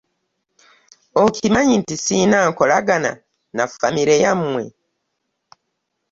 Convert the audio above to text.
Okimanyi nti sirina nkolagana na famire yammwe.